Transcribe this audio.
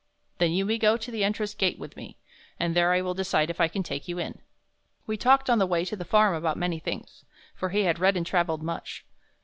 "Then you may go to the entrance gate with me, and there I will decide if I can take you in." We talked on the way to the farm about many things for he had read and traveled much.